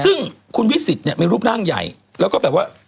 ซึ่งคุณวิสิตเนี่ยมีรูปร่างใหญ่แล้วก็แบบว่า